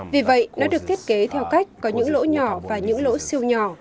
vì vậy nó được thiết kế theo cách có những lỗ nhỏ và những lỗ siêu nhỏ